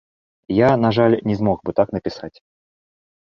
Я, на жаль, не змог бы так напісаць.